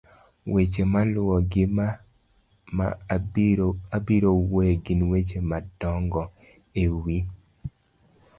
weche maluwogi ma abiro wuoye gin weche madongo e wi